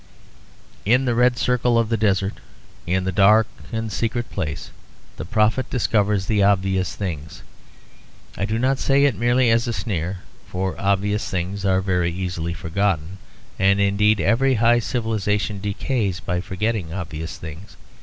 In the red circle of the desert, in the dark and secret place, the prophet discovers the obvious things. I do not say it merely as a sneer, for obvious things are very easily forgotten; and indeed every high civilisation decays by forgetting obvious things.